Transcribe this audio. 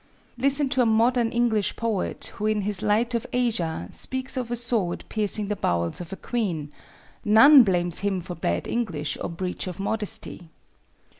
Listen to a modern English poet, who in his Light of Asia, speaks of a sword piercing the bowels of a queen:—none blames him for bad English or breach of modesty.